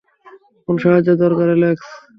কোন সাহায্য দরকার, অ্যালেক্স?